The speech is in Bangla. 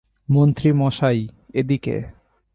মন্ত্রী মশাই, এদিকে!